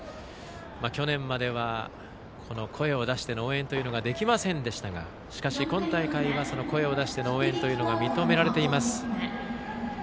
去年までは声を出しての応援ができませんでしたがしかし今大会は声を出しての応援が認められています。